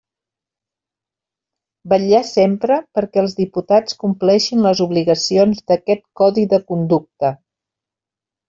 Vetllar sempre perquè els diputats compleixin les obligacions d'aquest Codi de conducta.